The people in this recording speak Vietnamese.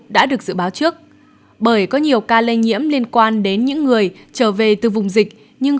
đã được dự báo trước bởi có nhiều ca lây nhiễm liên quan đến những người trở về từ vùng dịch nhưng